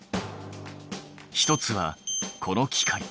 １つはこの機械。